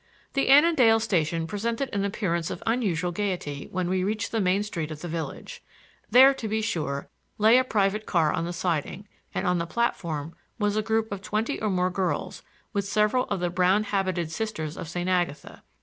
The Annandale station presented an appearance of unusual gaiety when we reached the main street of the village. There, to be sure, lay a private car on the siding, and on the platform was a group of twenty or more girls, with several of the brown habited Sisters of St. Agatha.